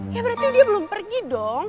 ya berarti dia belum pergi dong